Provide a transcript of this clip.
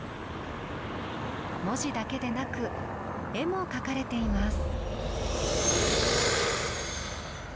文字だけでなく絵も描かれています。